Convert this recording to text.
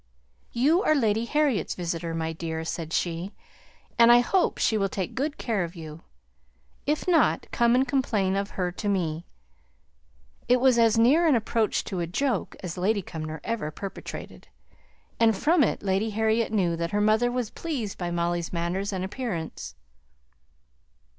"You are Lady Harriet's visitor, my dear," said she, "and I hope she will take good care of you. If not, come and complain of her to me." It was as near an approach to a joke as Lady Cumnor ever perpetrated, and from it Lady Harriet knew that her mother was pleased by Molly's manners and appearance.